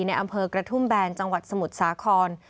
ในอำเภอกระทุ่มแบนจังหวัดสมุทรสาคร